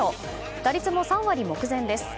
打率も３割目前です。